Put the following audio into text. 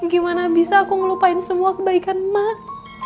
gimana bisa aku ngelupain semua kebaikan mak